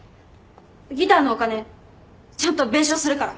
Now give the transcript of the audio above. ギターのお金ちゃんと弁償するから。